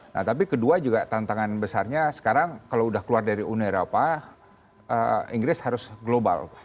nah tapi kedua juga tantangan besarnya sekarang kalau sudah keluar dari uni eropa inggris harus global